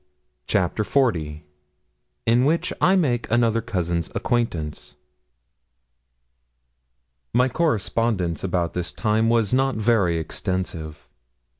CHAPTER XL IN WHICH I MAKE ANOTHER COUSIN'S ACQUAINTANCE My correspondence about this time was not very extensive.